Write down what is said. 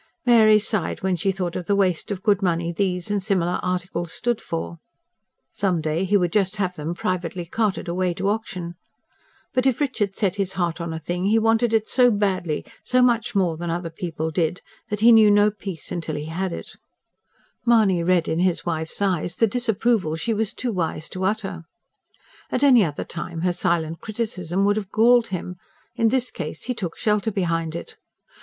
Mary sighed, when she thought of the waste of good money these and similar articles stood for. (Some day he would just have them privately carted away to auction!) But if Richard set his heart on a thing he wanted it so badly, so much more than other people did, that he knew no peace till he had it. Mahony read in his wife's eyes the disapproval she was too wise to utter. At any other time her silent criticism would have galled him; in this case, he took shelter behind it.